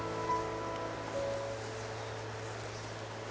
ที่ได้เงินเพื่อจะเก็บเงินมาสร้างบ้านให้ดีกว่า